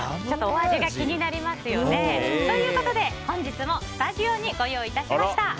ちょっとお味が気になりますよね。ということで、本日もスタジオにご用意致しました。